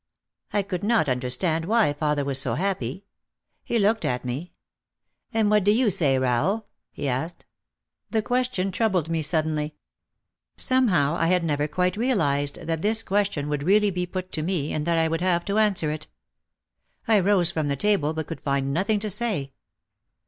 I could not understand why father was so happy. He looked at me. "And what do you say, Rahel ?" he asked. The question troubled me suddenly. Somehow I had never quite realised that this question would really be put to me and that I would have to answer it. I rose from the table but could find nothing to say.